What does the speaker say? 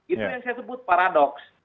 itu yang saya sebut paradoks